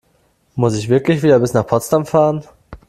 Muss ich wirklich wieder bis nach Potsdam fahren?